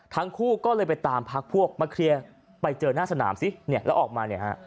ทั้งคู่ก็เลยไปตามพักพวกมาเคลียร์ไปเจอหน้าสนามซิเนี่ยแล้วออกมาเนี่ยฮะ